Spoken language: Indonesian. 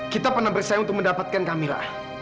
kita pernah bersayang untuk mendapatkan kamila